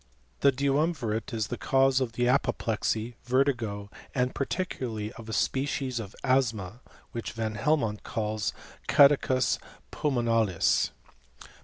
4 duumvirate is the cause of apoplexy, vertigo, | particularly of a species of asthma, which Van fl mont calls caducus jmlmonalis.